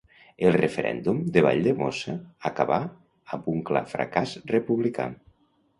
El referèndum de Valldemossa acaba amb un clar fracàs republicà.